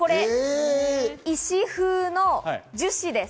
石風の樹脂です。